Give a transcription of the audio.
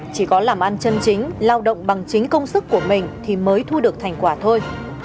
chỉ có làm ăn chân chính lao động bằng chính công sức của mình thì mới thu được thành quả thôi